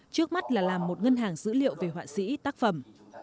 trước mắt là làm một ngân hàng dữ liệu về họa sĩ tác phẩm